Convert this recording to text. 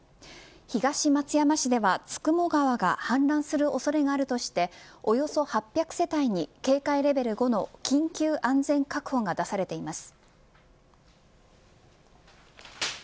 東松山市では九十九川が氾濫する恐れがあるとしておよそ８００世帯に警戒レベル緊急安全確保が出されています。